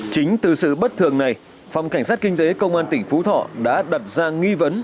chính từ sự bất thường này phòng cảnh sát kinh tế công an tỉnh phú thọ đã đặt ra nghi vấn